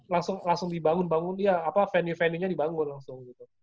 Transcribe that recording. langsung dibangun bangun venue venue nya dibangun langsung gitu